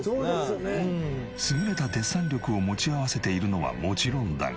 優れたデッサン力を持ち合わせているのはもちろんだが。